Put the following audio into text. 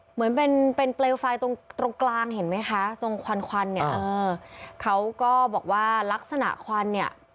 เหมือนเป็นเป็นเปลวไฟตรงตรงกลางเห็นไหมคะตรงควันควันเนี่ยเออเขาก็บอกว่าลักษณะควันเนี่ย